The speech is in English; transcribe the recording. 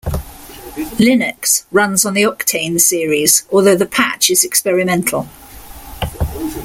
Linux runs on the Octane series, although the patch is experimental.